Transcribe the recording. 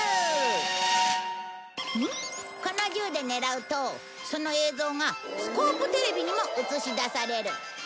この銃で狙うとその映像がスコープテレビにも映し出される。